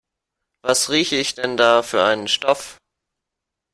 Was rieche ich denn da für einen Stoff?